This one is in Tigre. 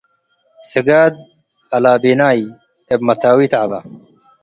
ስጋድ አላቤናይ - እብ መታዊት ዐበ